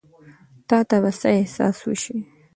تا ته به څۀ احساس وشي ـ